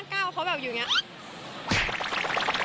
ก้าวเขาแบบอยู่อย่างนี้